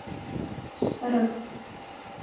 Сшӏэрэп.